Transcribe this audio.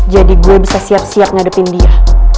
jadi gue bisa siap siap ngadepin dia